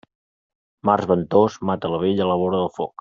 Març ventós mata la vella a la vora del foc.